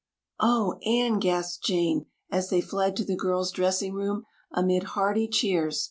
"Oh, Anne," gasped Jane, as they fled to the girls' dressing room amid hearty cheers.